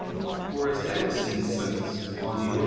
For as Damascene says (De Fide Orth.